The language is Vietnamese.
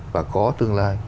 và có tương lai